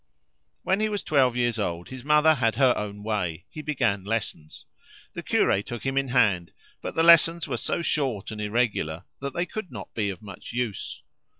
When he was twelve years old his mother had her own way; he began lessons. The curé took him in hand; but the lessons were so short and irregular that they could not be of much use.